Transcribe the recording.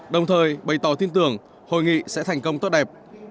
đồng thời bày tỏ tin tưởng hội nghị sẽ thành công tốt đẹp